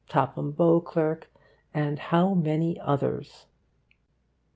Topham Beauclerk, and how many others!